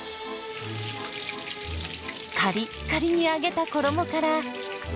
カリッカリに揚げた衣から。